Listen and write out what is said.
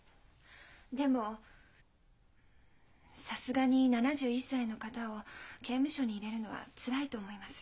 でもさすがに７１歳の方を刑務所に入れるのはつらいと思います。